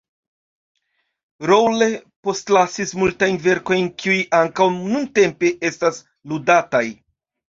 Rolle postlasis multajn verkojn, kiuj ankaŭ nuntempe estas ludataj.